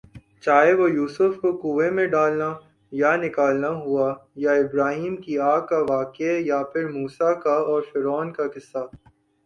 چاہے وہ یوسف ؑ کو کنویں میں ڈالنا یا نکالنا ہوا یا ابراھیمؑ کی آگ کا واقعہ یا پھر موسیؑ کا اور فرعون کا قصہ